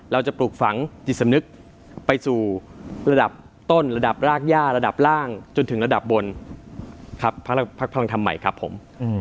ปลูกฝังจิตสำนึกไปสู่ระดับต้นระดับรากย่าระดับล่างจนถึงระดับบนครับพักพลังธรรมใหม่ครับผม